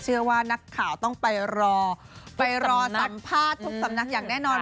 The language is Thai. เชื่อว่านักข่าวต้องไปรอไปรอสัมภาษณ์ทุกสำนักอย่างแน่นอน